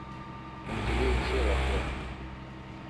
نجلۍ چيغه کړه.